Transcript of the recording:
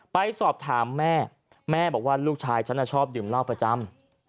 ไปสอบถามแม่แม่บอกว่าลูกชายฉันชอบดื่มเหล้าประจำ